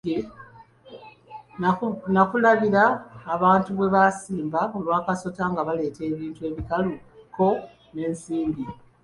Nakulabira abantu bwe basimba olwa kasota nga baleeta ebintu ebikalu kko n'ensimbi.